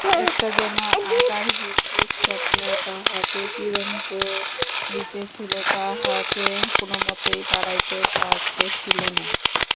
একটা যেন আকারহীন দুঃস্বপ্ন তাহাকে পীড়ন করিতেছিল, তাহাকে কোনোমতেই তাড়াইতে পারিতেছিল না।